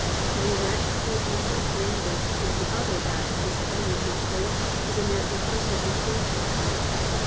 Can you imagine our Lord Jesus saying this if the other that was coming to take His place was a mere impersonal influence or power?